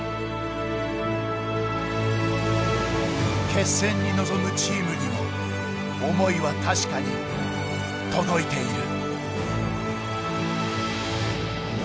決戦に臨むチームにも思いは確かに届いている。